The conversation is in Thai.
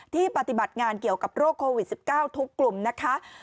ปฏิบัติงานเกี่ยวกับโรคโควิด๑๙ทุกกลุ่มนะคะ